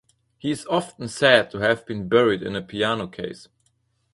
He is often said to have been buried in a piano case.